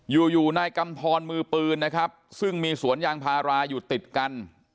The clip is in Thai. อยู่อยู่นายกำทรมือปืนนะครับซึ่งมีสวนยางพาราอยู่ติดกัน